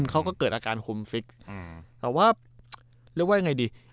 เขาก็เกิดอาการโฮมฟิกแต่ว่าเรียกว่ายังไงดี